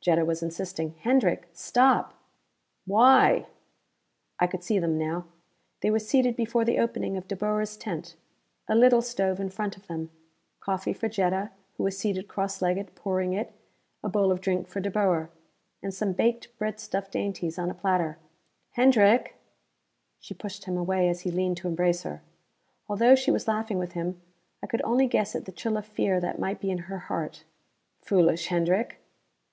Jetta was insisting. "Hendrick, stop!" "Why?" I could see them now. They were seated before the opening of De Boer's tent. A little stove in front of them. Coffee for Jetta, who was seated cross legged, pouring it; a bowl of drink for De Boer. And some baked breadstuff dainties on a platter. "Hendrick " She pushed him away as he leaned to embrace her. Although she was laughing with him, I could only guess at the chill of fear that might be in her heart. "Foolish, Hendrick!"